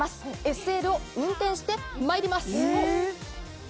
ＳＬを運転してまいります！